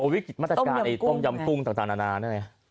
โอวิกฤติมาตรการต้มยำกุ้งต่างนานาเนี่ย